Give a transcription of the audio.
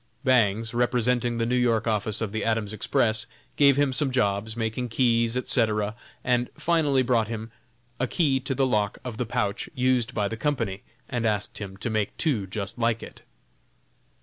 Bangs, representing the New York office of the Adams Express, gave him some jobs, making keys, etc.; and finally brought him a key to the lock of the pouch used by the company, and asked him to make two just like it.